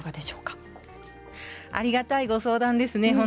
ありがたいご相談ですね